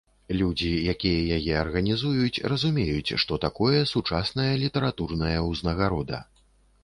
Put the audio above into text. Людзі, якія яе арганізуюць, разумеюць, што такое сучасная літаратурная ўзнагарода.